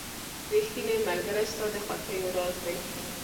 • ریښتینی ملګری ستا د خوښیو راز دی.